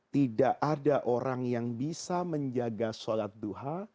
tidak ada orang yang bisa menjaga sholat duha